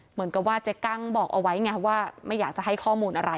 เหมือนกับว่าเจ๊กั้งบอกเอาไว้ไงว่าไม่อยากจะให้ข้อมูลอะไร